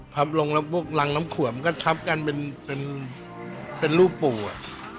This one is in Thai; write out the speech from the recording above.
พับลงแล้วพวกหลังน้ำข่วมก็ทับกันเป็นเป็นรูปปู่อะ